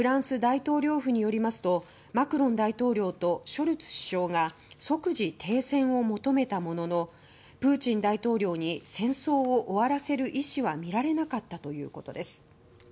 フランス大統領府によりますとマクロン大統領とショルツ首相が即時停戦を求めたもののプーチン大統領に戦争を終わらせる意志は見られなかったということです。